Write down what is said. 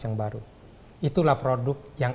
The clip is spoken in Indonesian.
yang baru itulah produk yang